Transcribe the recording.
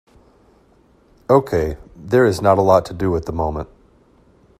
Okay, there is not a lot to do at the moment.